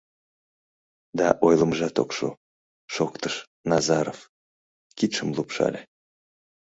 Да ойлымыжат ок шу, — шоктыш Назаров, кидшым лупшале.